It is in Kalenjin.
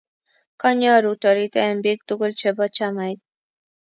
konyoru torite eng' biik tugul chebo chamait.